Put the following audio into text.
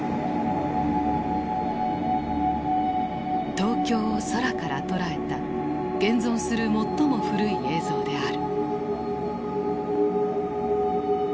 東京を空から捉えた現存する最も古い映像である。